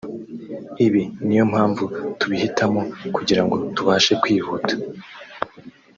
ibi niyo mpamvu tubihitamo kugira ngo tubashe kwihuta”